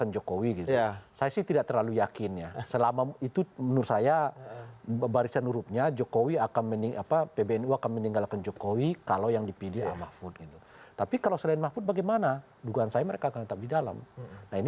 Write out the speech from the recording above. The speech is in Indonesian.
jelang penutupan pendaftaran